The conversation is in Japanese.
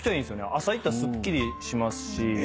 朝行ったらすっきりしますし。